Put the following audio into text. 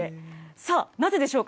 さあ、なぜでしょうか？